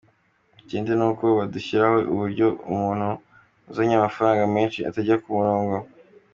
Ikindi ni uko badushyiriraho uburyo umuntu uzanye amafaranga menshi atajya ku murongo”.